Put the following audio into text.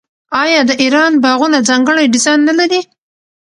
آیا د ایران باغونه ځانګړی ډیزاین نلري؟